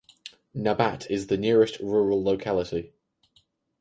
Nabat is the nearest rural locality.